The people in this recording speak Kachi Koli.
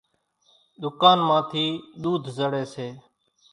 ۮُڪانَ مان ٿِي ۮوڌ زڙيَ سي۔